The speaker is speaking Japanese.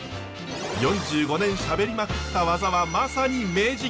４５年しゃべりまくった技はまさに名人。